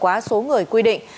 quá số người quy định